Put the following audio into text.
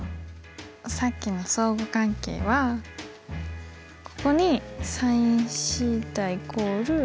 さっきの相互関係はここにｓｉｎθ＝。